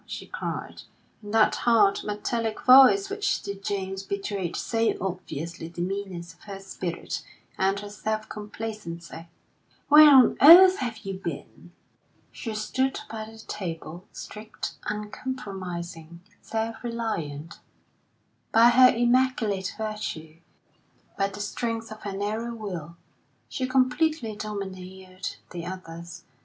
she cried, in that hard, metallic voice which to James betrayed so obviously the meanness of her spirit and her self complacency. "Where on earth have you been?" She stood by the table, straight, uncompromising, self reliant; by her immaculate virtue, by the strength of her narrow will, she completely domineered the others.